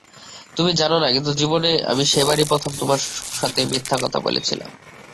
তুমি জানোনা কিন্তু জীবনে আমি সেবারই প্রথম, তোমার সাথে মিথ্যা কথা বলেছিলাম।